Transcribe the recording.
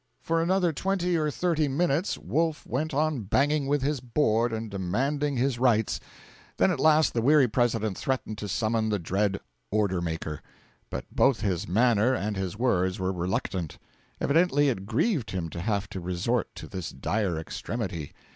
For another twenty or thirty minutes Wolf went on banging with his board and demanding his rights; then at last the weary President threatened to summon the dread order maker. But both his manner and his words were reluctant. Evidently it grieved him to have to resort to this dire extremity.